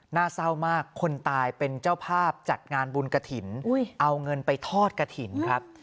หน้าเศร้ามากคนตายเป็นเจ้าภาพจัดงานบุญกระถิ่นเอาเงินไปทอดกระถิ่นครับ